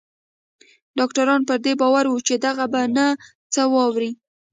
ډاکتران پر دې باور وو چې دی به نه څه واوري.